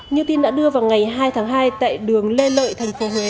như tin đã đưa vào ngày hai tháng hai tại đường lê lợi tp huế